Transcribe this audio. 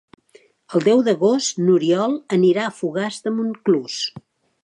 El deu d'agost n'Oriol anirà a Fogars de Montclús.